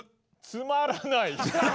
つまらない。